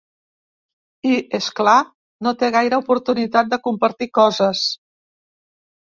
I, és clar, no té gaire oportunitat de compartir coses.